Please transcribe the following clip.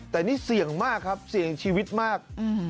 แต่นี่เสี่ยงมากครับเสี่ยงชีวิตมาก